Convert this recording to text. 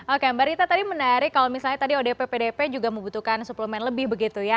oke mbak rita tadi menarik kalau misalnya tadi odp pdp juga membutuhkan suplemen lebih begitu ya